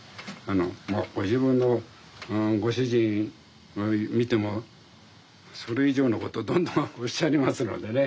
ご自分のご主人見てもそれ以上のことどんどんおっしゃりますのでね。